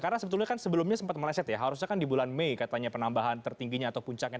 karena sebetulnya kan sebelumnya sempat meleset ya harusnya kan di bulan mei katanya penambahan tertingginya atau puncaknya